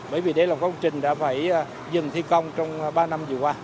bởi vì đây là một công trình đã phải dừng thi công trong ba năm vừa qua